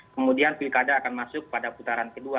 kemudian pilkada akan masuk pada putaran kedua